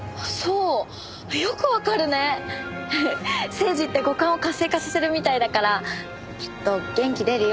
セージって五感を活性化させるみたいだからきっと元気出るよ。